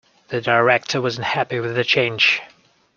The director wasn't happy with the change.